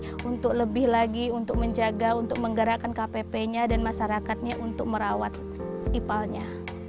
sdb ini untuk lebih lagi untuk menjaga untuk menggerakkan kpp nya dan masyarakatnya untuk merawat ipol nya